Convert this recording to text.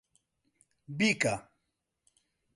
بیکە!